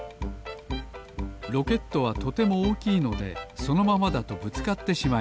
ロケットはとてもおおきいのでそのままだとぶつかってしまいます。